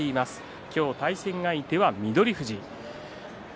今日、対戦相手は翠富士です。